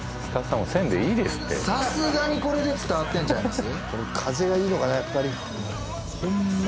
さすがにこれで伝わってんちゃいます？